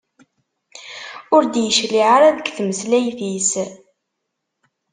Ur d-yecliε ara deg tmeslayt-is.